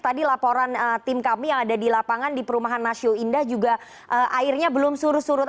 tadi laporan tim kami yang ada di lapangan di perumahan nasio indah juga airnya belum surut surut